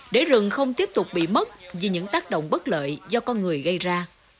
để rừng không tiếp tục bị mất vì những tác động bất lợi do con người gây ra